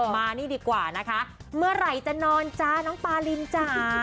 มานี่ดีกว่านะคะเมื่อไหร่จะนอนจ๊ะน้องปารินจ้า